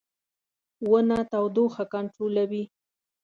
• ونه تودوخه کنټرولوي.